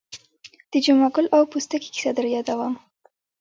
د جمعه ګل او پستکي کیسه در یادوم.